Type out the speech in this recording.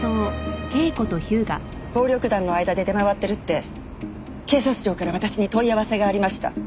暴力団の間で出回ってるって警察庁から私に問い合わせがありました。